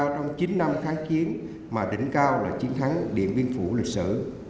trong chín năm khái chiến mà đỉnh cao là chiến thắng điểm viên phủ lịch sử